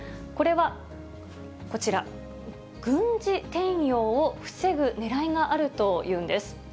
これは、こちら、軍事転用を防ぐねらいがあるというんです。